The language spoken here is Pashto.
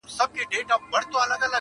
پاچاهان یو په ټولۍ کي د سیالانو -